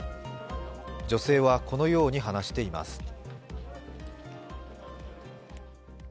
女性はこのように話しています。